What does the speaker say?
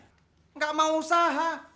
tidak mau usaha